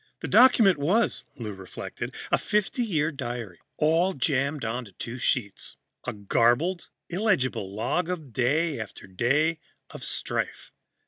The document was, Lou reflected, a fifty year diary, all jammed onto two sheets a garbled, illegible log of day after day of strife.